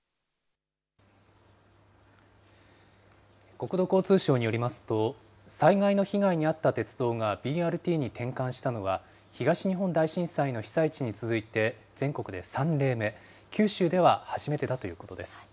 国土交通省によりますと、災害の被害に遭った鉄道がＢＲＴに転換したのは、東日本大震災の被災地に続いて全国で３例目、九州では初めてだということです。